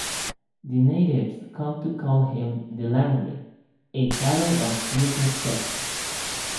The natives come to call him the "Langri", a title of deep respect.